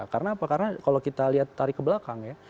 karena apa karena kalau kita lihat tarik ke belakang ya